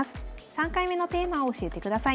３回目のテーマを教えてください。